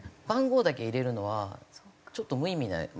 番号だけ入れるのはちょっと無意味な。